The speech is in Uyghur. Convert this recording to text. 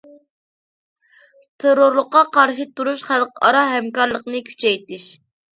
تېررورلۇققا قارشى تۇرۇش خەلقئارا ھەمكارلىقىنى كۈچەيتىش.